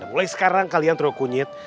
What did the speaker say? mulai sekarang kalian terlalu kunyit